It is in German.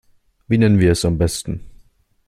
Wie nennen wir es am besten?